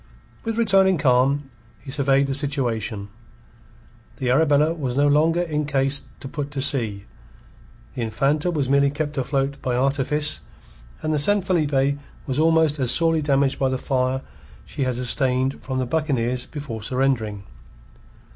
With returning calm, he surveyed the situation. The Arabella was no longer in case to put to sea; the Infanta was merely kept afloat by artifice, and the San Felipe was almost as sorely damaged by the fire she had sustained from the buccaneers before surrendering.